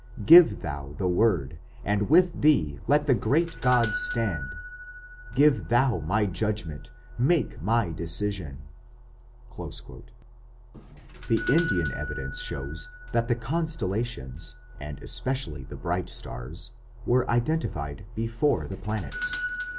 Give thou the Word, and with thee let the great gods stand! Give thou my judgment, make my decision!" The Indian evidence shows that the constellations, and especially the bright stars, were identified before the planets.